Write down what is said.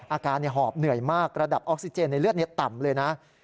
อาการหอบเหนื่อยมากระดับออกซิเจนในเลือดต่ำเลยนะ